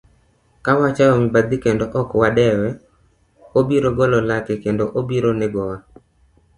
Ka wachayo mibadhi kendo ok wadewe, obiro golo lake kendo obiro negowa